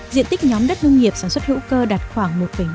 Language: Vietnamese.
diện tích nhóm đất nông nghiệp sản xuất hữu cơ đạt khoảng một năm